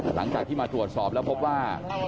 หลังจากที่มาตรวจสอบแล้วพบว่า